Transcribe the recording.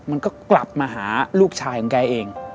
มันก็กลับมาหาลูกชายของแกเอง